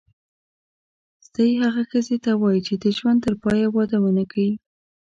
ستۍ هغه ښځي ته وايي چي د ژوند ترپایه واده ونه کي.